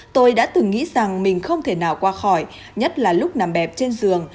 tôi đã từng nghĩ rằng mình không thể nào qua khỏi nhất là lúc nằm đẹp trên giường